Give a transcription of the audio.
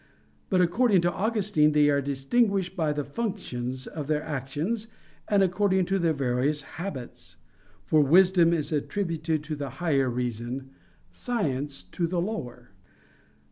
But according to Augustine they are distinguished by the functions of their actions, and according to their various habits: for wisdom is attributed to the higher reason, science to the lower.